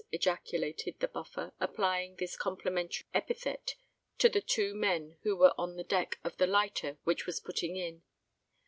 ejaculated the Buffer, applying this complimentary epithet to the two men who were on the deck of the lighter which was putting in.